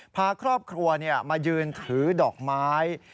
พาครอบครัวมายืนถือดอกไม้